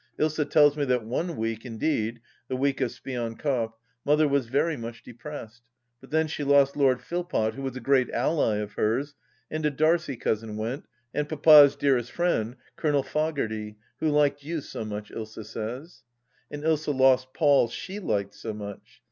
Ilsa tells me that one week, indeed — the week of Spion Kop — Mother was very much depressed ; but then she lost Lord Philpot, who was a great ally of hers, and a Darcie cousin went, and Papa's dearest friend, Colonel Foggarty, who liked you so much, Ilsa says. And Ilsa lost Paul she liked so much.